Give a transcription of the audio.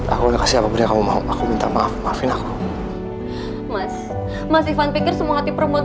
aku sudah kasih apapun yang kamu mahu aku minta maaf maafin aku mas mas ivan pikir semua hati perempuan